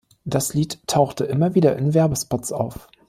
Das Lied tauchte immer wieder in Werbespots auf.